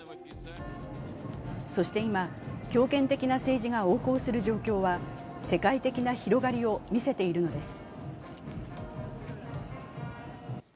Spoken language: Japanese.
そして今、強権的な政治が横行する状況は世界的な広がりを見せているのです。